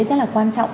rất là quan trọng